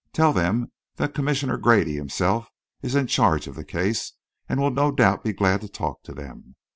Tell them that Commissioner Grady himself is in charge of the case and will no doubt be glad to talk to them.